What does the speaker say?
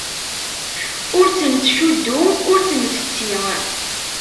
Ur tt-nettcuddu, ur tt-nettfessi!